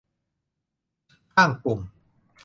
ข้างปุ่ม